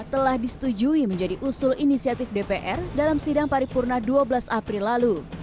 telah disetujui menjadi usul inisiatif dpr dalam sidang paripurna dua belas april lalu